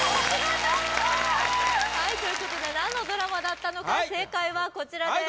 はいということで何のドラマだったのか正解はこちらです